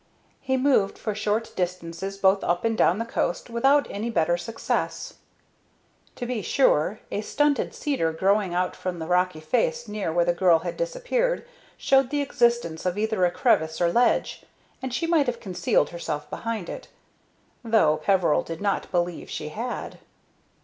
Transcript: He moved for short distances both up and down the coast without any better success. To be sure, a stunted cedar growing out from the rocky face near where the girl had disappeared showed the existence of either a crevice or ledge, and she might have concealed herself behind it, though Peveril did not believe she had.